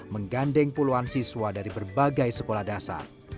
menggandeng puluhan siswa dari berbagai sekolah dasar